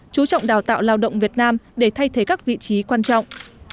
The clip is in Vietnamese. chú trọng đào tạo lao động việt nam để thay thế các vị trí quan trọng